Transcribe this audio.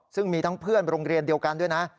ซึ่งมีทั้งเพื่อนโรงเรียนเดียวกันด้วยนะ